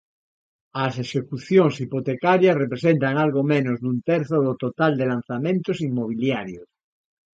As execucións hipotecarias representan algo menos dun terzo do total de lanzamentos inmobiliarios.